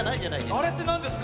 あれってなんですか？